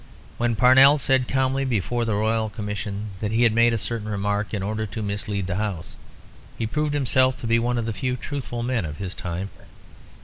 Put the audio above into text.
When Parnell said calmly before the Royal Commission that he had made a certain remark "in order to mislead the House" he proved himself to be one of the few truthful men of his time.